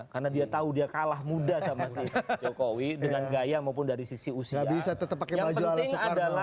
karena dia tahu dia kalah muda sama si jokowi dengan gaya maupun dari sisi usia